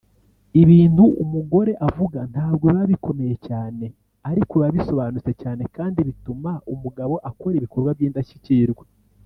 Ibintu umugore avuga ntabwo biba bikomeye cyane ariko biba bisobanutse cyane kandi bituma umugabo akora ibikorwa by’indashyikirwa